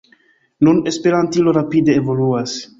Nun Esperantilo rapide evoluas.